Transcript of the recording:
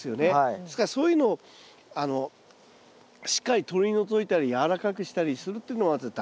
ですからそういうのをしっかり取り除いたりやわらかくしたりするっていうのは大事だと思いますね。